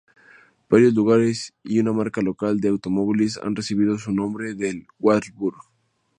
Varios lugares y una marca local de automóviles han recibido su nombre del Wartburg.